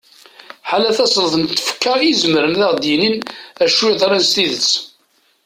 ḥala tasleḍt n tfekka i izemren ad aɣ-yinin acu yeḍran s tidet